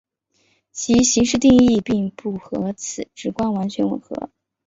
其形式定义并不和此直观完全吻合。